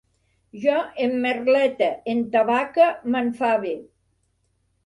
Jo emmerlete, entabaque, m'enfave